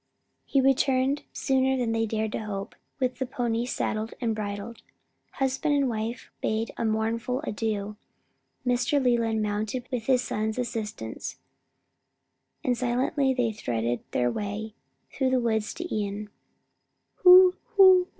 He returned sooner than they dared hope, with the pony saddled and bridled. Husband and wife bade a mournful adieu. Mr. Leland mounted with his son's assistance, and silently they threaded their way through the woods to Ion. "Hoo! hoo!